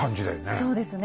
そうですね。